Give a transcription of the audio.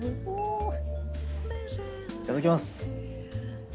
いただきます！